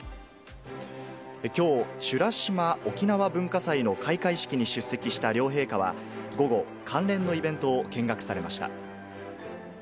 きょう、美ら島おきなわ文化祭の開会式に出席した両陛下は、午後、関連のイベントを見学されました。